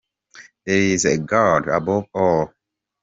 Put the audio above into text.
There is a God above all!.